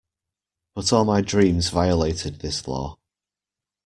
But all my dreams violated this law.